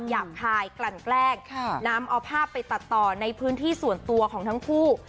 หับคายกลั่นแกล้งนำเอาภาพไปตัดต่อในพื้นที่ส่วนตัวของทั้งคู่